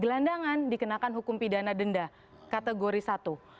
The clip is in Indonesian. gelandangan dikenakan hukum pidana denda kategori satu